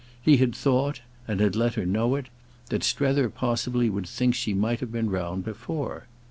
He had thought, and had let her know it, that Strether possibly would think she might have been round before.